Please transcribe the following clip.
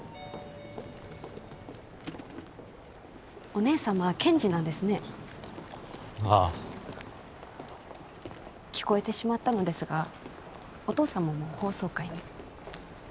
お姉様は検事なんですねああ聞こえてしまったのですがお父様も法曹界に？